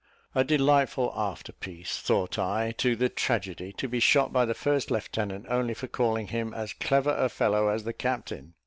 "A delightful after piece," thought I, "to the tragedy, to be shot by the first lieutenant only for calling him as clever a fellow as the captain."